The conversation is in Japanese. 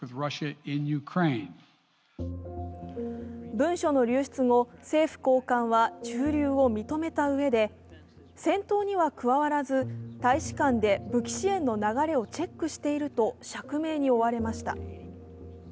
文書の流出後、政府高官は駐留を認めたうえで戦闘には加わらず、大使館で武器支援の流れをチェックしていると釈明に追われました。